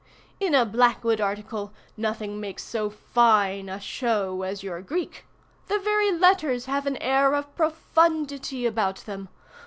In a Blackwood article nothing makes so fine a show as your Greek. The very letters have an air of profundity about them.